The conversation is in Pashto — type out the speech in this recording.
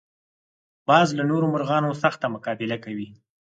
باز له نورو مرغانو سخته مقابله کوي